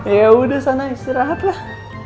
yaudah sana istirahatlah